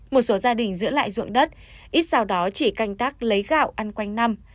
một số gia đình giữ lại dụng đất ít sau đó chỉ canh tác lấy gạo ăn quanh năm